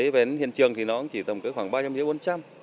về hiện trường thì nó chỉ tầm khoảng ba trăm năm mươi đồng